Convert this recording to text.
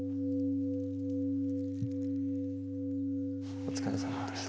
お疲れさまでした。